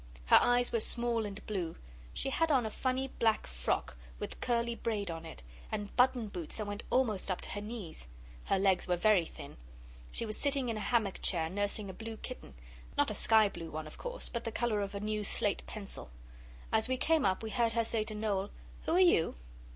Her eyes were small and blue. She had on a funny black frock, with curly braid on it, and button boots that went almost up to her knees. Her legs were very thin. She was sitting in a hammock chair nursing a blue kitten not a sky blue one, of course, but the colour of a new slate pencil. As we came up we heard her say to Noel 'Who are you?